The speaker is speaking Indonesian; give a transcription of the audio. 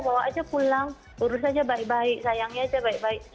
bawa aja pulang urus aja baik baik sayangnya aja baik baik